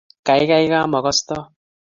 Kaikai ka mo kostoi